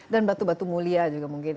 dan batu batu mulia juga mungkin